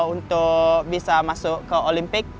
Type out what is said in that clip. untuk bisa masuk ke olimpik